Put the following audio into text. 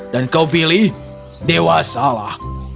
dan kau billy dewasalah